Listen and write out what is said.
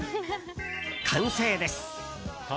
完成です。